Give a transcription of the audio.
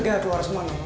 gagal keluar semua nih